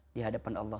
di hadapan allah